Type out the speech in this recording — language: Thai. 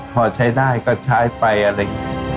พอใช้ได้ก็ใช้ไปอะไรอย่างนี้